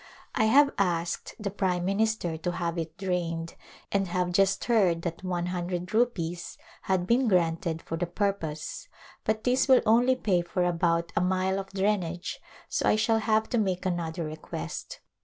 I have asked the prime minister to have it drained and have just heard that one hundred rupees had been granted for the purpose, but this will only pay for about a mile of drainage, so I shall have to make another request.